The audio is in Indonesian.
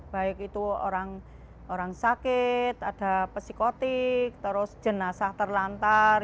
baik itu orang sakit ada psikotik terus jenazah terlantar